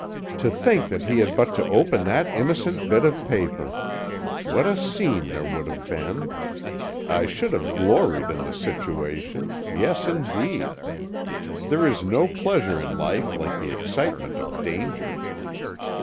To think that he had but to open that innocent bit of paper! What a scene there would have been! I should have gloried in the situation yes, indeed. There is no pleasure in life like the excitement of danger.